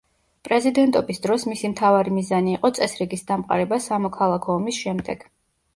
პრეზიდენტობის დროს მისი მთავარი მიზანი იყო წესრიგის დამყარება სამოქალაქო ომის შემდეგ.